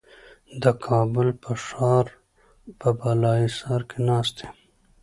د کابل په ښار په بالاحصار کې ناست یم.